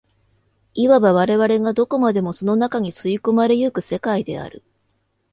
いわば我々がどこまでもその中に吸い込まれ行く世界である。